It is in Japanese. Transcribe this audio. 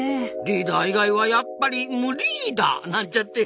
リーダー以外はやっぱりムリーダーなんちゃって。